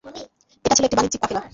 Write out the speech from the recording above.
এটা ছিল একটি বাণিজ্যিক কাফেলা।